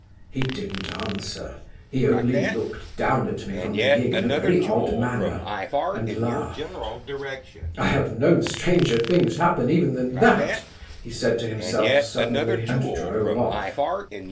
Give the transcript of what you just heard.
He didn't answer; he only looked down at me from the gig in a very odd manner, and laughed. 'I have known stranger things happen even than that!' he said to himself suddenly, and drove off.